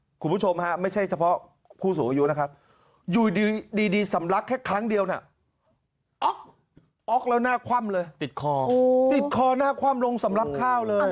ออกแล้วหน้าคว่ำเลยติดคอหน้าคว่ำลงสำรับข้าวเลย